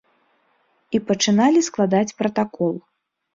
І пачыналі складаць пратакол.